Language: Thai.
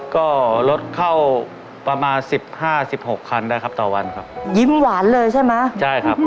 ก็รถเข้าประมาณสิบห้าสิบหกคันได้ครับต่อวันครับยิ้มหวานเลยใช่ไหมใช่ครับ